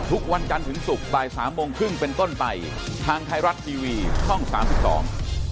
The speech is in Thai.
ดีใจที่ได้เจอครับพี่ดีใจที่ได้เจอครับ